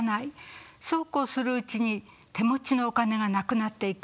そうこうするうちに手持ちのお金がなくなっていく。